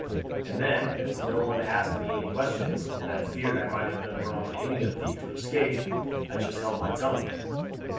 And then as no one asked me any questions, and I feared I might have done wrong in aiding a thief to escape, I just held my tongue."